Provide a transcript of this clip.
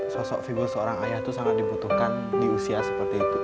sosok figur seorang ayah itu sangat dibutuhkan di usia seperti itu